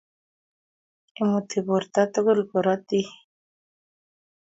Imuti borto tugul korotik